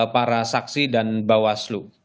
para saksi dan bawaslu